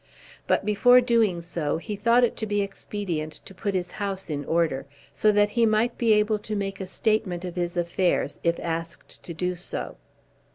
But before doing so he thought it to be expedient to put his house into order, so that he might be able to make a statement of his affairs if asked to do so.